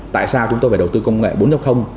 tại sao chúng tôi phải đầu tư công nghệ